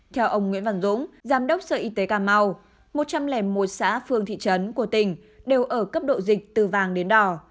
theo ông nguyễn văn dũng giám đốc sở y tế cà mau một trăm linh một xã phương thị trấn của tỉnh đều ở cấp độ dịch từ vàng đến đỏ